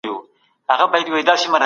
تاسي په خپلو ملګرو کي ښه ملګری یاست.